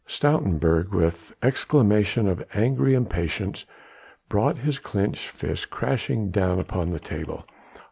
Stoutenburg with an exclamation of angry impatience brought his clenched fist crashing down upon the table.